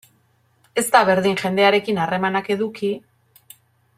Ez da berdin jendearekin harremanak eduki.